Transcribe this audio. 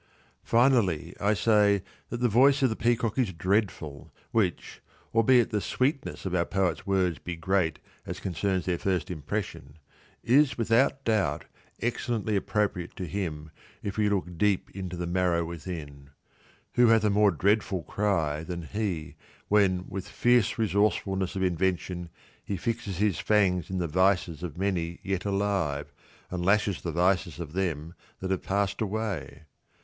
Finally, I say that the voice of the peacock is dreadful, which (albeit the sweetness of our poet's words be great as concerns their first impression) is without doubt excellently appropriate to him if we look deep into the marrow within. Who hath a more dreadful cry than he when with fierce resourcefulness of invention he fixes his fangs in the vices of many yet alive, and lashes the vices of them that have passed away?